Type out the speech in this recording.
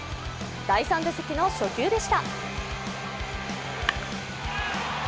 第３打席の初球でした。